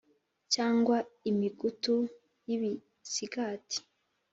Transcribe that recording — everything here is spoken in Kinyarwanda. Cyangwa imigutu y'ibisigati